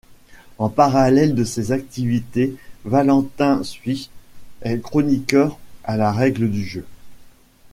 En parallèle de ces activités Valentin Spitz est chroniqueur à la Règle du jeu.